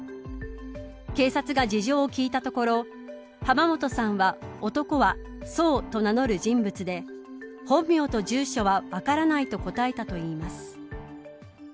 警察が事情を聴いたところ浜本さんは、男はそうと名乗る人物で本名と住所は分からないと答えたといいます。